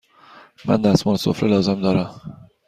من دستمال سفره لازم دارم.